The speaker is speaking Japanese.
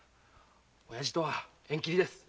おやじとは縁切りです。